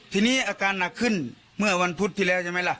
ทีนี้อาการหนักขึ้นเมื่อวันพุธที่แล้วใช่ไหมล่ะ